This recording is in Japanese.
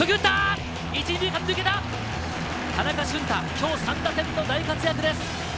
今日３打点の大活躍です。